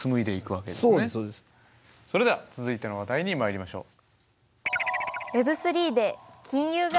それでは続いての話題にまいりましょう。